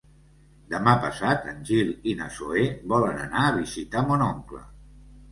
Demà passat en Gil i na Zoè volen anar a visitar mon oncle.